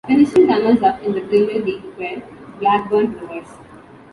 Finishing runners-up in the Premier League were Blackburn Rovers.